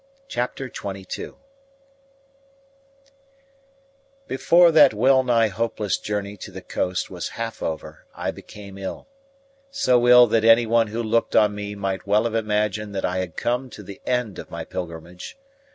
CHAPTER XXII Before that well nigh hopeless journey to the coast was half over I became ill so ill that anyone who had looked on me might well have imagined that I had come to the end of my pilgrimage.